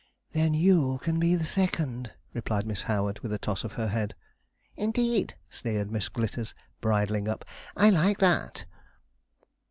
'Then you can be the second,' replied Miss Howard, with a toss of her head. 'Indeed!' sneered Miss Glitters, bridling up. 'I like that.'